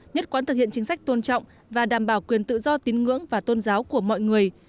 nhất quán thực hiện chính sách tôn trọng và đảm bảo quyền tự do tín ngưỡng và tôn giáo của mọi người